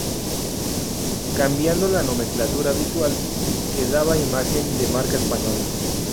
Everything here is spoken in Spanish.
Cambiando la nomenclatura habitual que daba imagen de marca española.